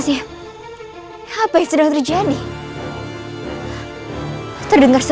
dukungan upacara coklatmus estatisik vancouver amd